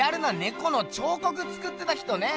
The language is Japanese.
この彫刻つくってた人ね！